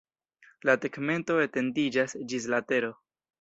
La tegmento etendiĝas ĝis la tero.